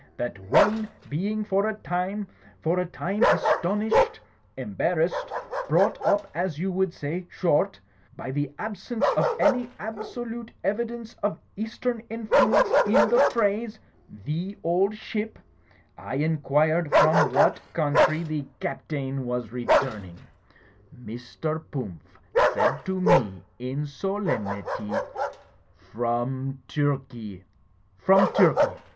That when, being for a time, for a time, astonished— embarrassed — ^brought up as you would say short — ^by the absence of any absolute evidence of Eastern influence in the phrase 'the old ship,' I inquired from what country the Cap u,y,u.«u by Google 20 THE FLYING INN tain was returning, Mr. Pumph said to me in solem nity, Trom Turkey/ From Turkey!